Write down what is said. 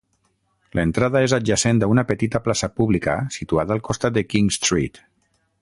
L'entrada és adjacent a una petita plaça pública situada al costat de King Street.